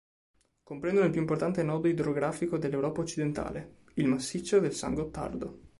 Comprendono il più importante nodo idrografico dell'Europa occidentale: il Massiccio del San Gottardo.